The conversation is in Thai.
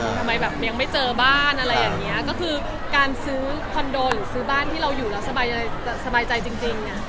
ทำไมแบบยังไม่เจอบ้านอะไรอย่างเงี้ยก็คือการซื้อคอนโดหรือซื้อบ้านที่เราอยู่แล้วสบายใจจริงเนี่ย